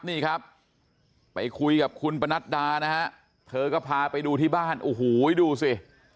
นี่ครับไปคุยกับคุณปนัดดานะฮะเธอก็พาไปดูที่บ้านโอ้โหดูสิ